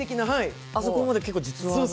あそこまで実話？